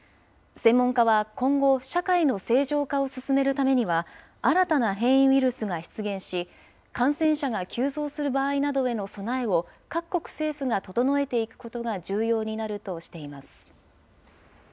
専門家は今後、社会の正常化を進めるためには、新たな変異ウイルスが出現し、感染者が急増する場合などへの備えを、各国政府が整えていくことが重要になるとしています。